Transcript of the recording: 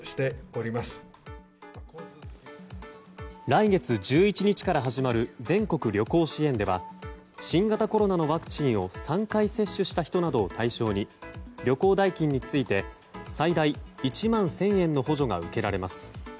来月１１日から始まる全国旅行支援では新型コロナのワクチンを３回接種した人などを対象に旅行代金について最大１万１０００円の補助が受けられます。